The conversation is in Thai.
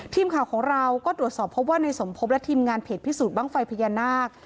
ทีมข่าวของเราก็ตรวจสอบพบว่าในสมพบและทีมงานเพจพิสูจน์บ้างไฟพญานาค